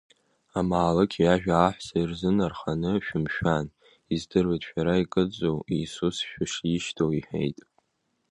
Амаалықь иажәа аҳәса ирзынарханы Шәымшәан, издыруеит шәара икыдҵоу Иисус шәышишьҭоу иҳәеит.